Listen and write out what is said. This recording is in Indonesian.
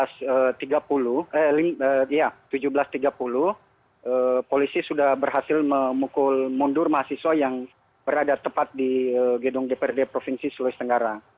iya tujuh belas tiga puluh polisi sudah berhasil memukul mundur mahasiswa yang berada tepat di gedung dprd provinsi sulawesi tenggara